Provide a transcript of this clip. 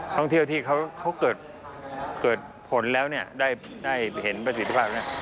ท่องเที่ยวที่เขาเกิดผลแล้วเนี่ยได้เห็นประสิทธิภาพ